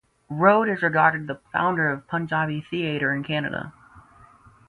Rode is regarded the founder of Punjabi theatre in Canada.